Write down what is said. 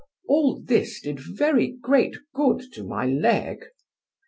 All this did very great good to my leg.